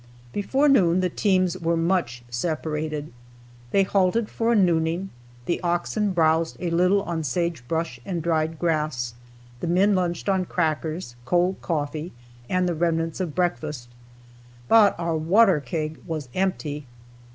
Before noon the teams were much separated. They halted for a nooning; the oxen browsed a little on sage brush and dried grass; the men lunched on crackers, cold coffee and the remnants of breakfast, but our water keg was empty.